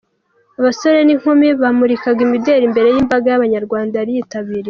Abasore n'inkumi bamurikaga imideli imbere y'imbaga y'abanyarwanda yari yitabiriye.